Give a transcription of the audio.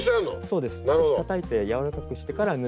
そうです。